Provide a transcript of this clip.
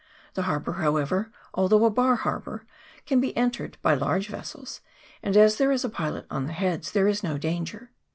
The harbour, however, although a bar harbour, can be entered by large vessels, and as there is a pilot on the heads there is no danger.